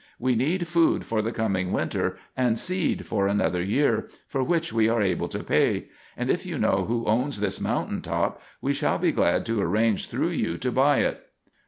We need food for the coming winter, and seed for another year, for which we are able to pay; and if you know who owns this mountain top, we shall be glad to arrange, through you, to buy it."